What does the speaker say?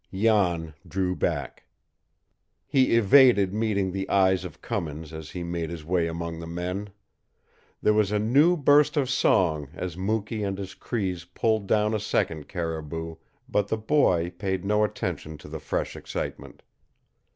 Jan drew back. He evaded meeting the eyes of Cummins as he made his way among the men. There was a new burst of song as Mukee and his Crees pulled down a second caribou, but the boy paid no attention to the fresh excitement.